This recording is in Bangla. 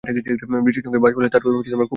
বৃষ্টির সঙ্গে বাজ পড়লে তার খুব ভয় করে।